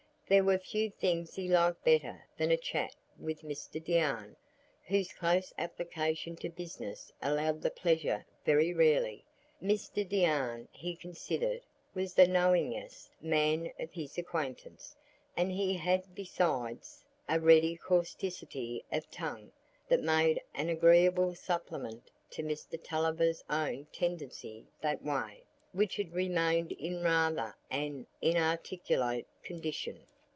There were few things he liked better than a chat with Mr Deane, whose close application to business allowed the pleasure very rarely. Mr Deane, he considered, was the "knowingest" man of his acquaintance, and he had besides a ready causticity of tongue that made an agreeable supplement to Mr Tulliver's own tendency that way, which had remained in rather an inarticulate condition.